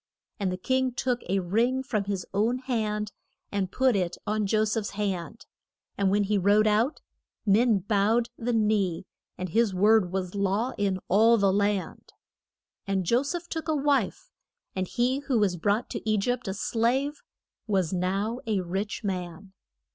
And the king took a ring from his own hand and put it on Jo seph's hand, and when he rode out, men bowed the knee, and his word was law in all the land. And Jo seph took a wife, and he who was brought to E gypt a slave, was now a rich man.